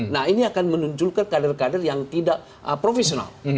nah ini akan menunjukkan kader kader yang tidak profesional